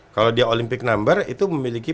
kalau dia olympic number itu memiliki